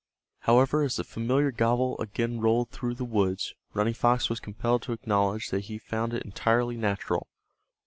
However, as the familiar gobble again rolled through the woods Running Fox was compelled to acknowledge that he found it entirely natural.